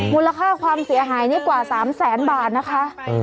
มูลค่าความเสียหายนี่กว่า๓แสนบาทนะคะ